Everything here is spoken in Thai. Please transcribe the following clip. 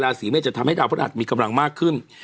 สีเมฆจะทำให้ดาวพระหัสมีกำลังมากขึ้น